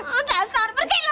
udah sor pergi lu